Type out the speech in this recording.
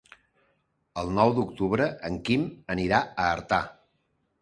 El nou d'octubre en Quim anirà a Artà.